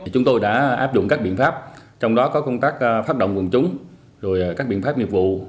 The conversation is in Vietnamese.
chúng tôi đã áp dụng các biện pháp trong đó có công tác phát động quần chúng rồi các biện pháp nghiệp vụ